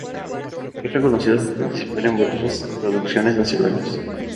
Es reconocida por participar en varias producciones nacionales.